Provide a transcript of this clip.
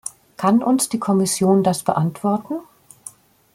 Kann uns die Kommission das beantworten?